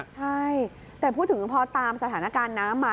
ใช่แต่พูดถึงพอตามสถานการณ์น้ำมา